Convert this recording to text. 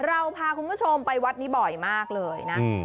เราพาคุณผู้ชมไปวัดนี้บ่อยมากเลยนะ